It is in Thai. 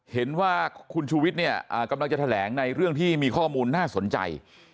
เห็นว่าคุณชูวิทย์เนี่ยกำลังจะแถลงในเรื่องที่มีข้อมูลน่าสนใจ